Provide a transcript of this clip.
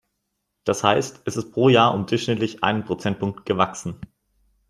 Das heißt, es ist pro Jahr um durchschnittlich einen Prozentpunkt gewachsen.